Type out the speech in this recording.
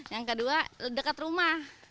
yang kedua dekat rumah